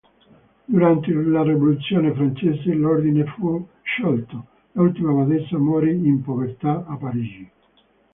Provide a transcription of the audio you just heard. Durante la rivoluzione francese l'ordine fu sciolto, l'ultima badessa morì in povertà a Parigi.